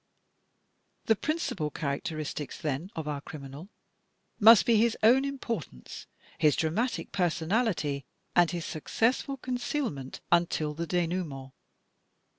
The principal characteristics, then, of our criminal must be his own importance, his dramatic personality, and his successful concealment until the denouement.